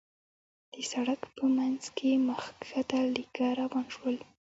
د سړک په مينځ کې مخ کښته ليکه روان شول.